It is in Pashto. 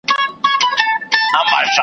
او دا خوابدتيا ئې تر ګوره وړې ده